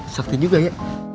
sakit juga ya